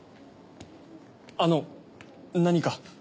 あの何か？